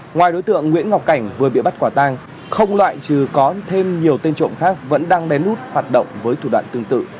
ngoài đối tượng nguyễn ngọc cảnh vừa bị bắt quả tang không loại trừ có thêm nhiều tên trộm khác vẫn đang lén lút hoạt động với thủ đoạn tương tự